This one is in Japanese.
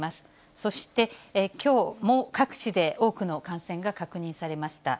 そして、きょうも各地で多くの感染が確認されました。